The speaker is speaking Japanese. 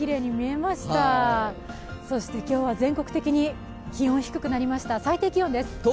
そして今日は全国的に気温が低くなりました、最低気温です。